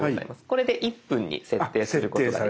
これで１分に設定することが。